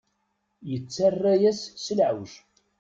Yettarra-yas s leɛweǧ.